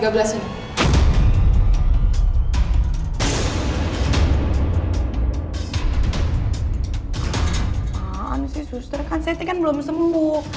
apaan sih suster saya kan belum sembuh